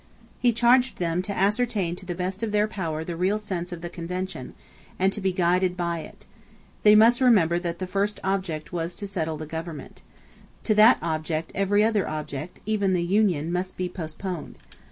He charged them to ascertain to the best of their power the real sense of the Convention, and to be guided by it. They must remember that the first object was to settle the government. To that object every other object, even the union, must be postponed.